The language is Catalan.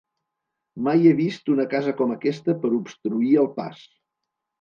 Mai he vist una casa com aquesta per obstruir el pas!